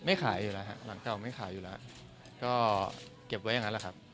ขายอยู่แล้วฮะหลังเก่าไม่ขายอยู่แล้วก็เก็บไว้อย่างนั้นแหละครับ